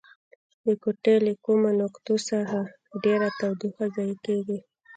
د کوټې له کومو نقطو څخه ډیره تودوخه ضایع کیږي؟